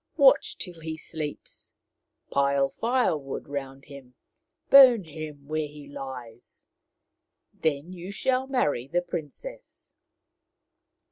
Watch till he sleeps, pile firewood round him, burn him where he lies. Then you shall marry the princess.